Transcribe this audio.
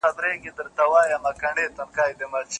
برېتور دي چي ښخېږي د زمریو جنازې دي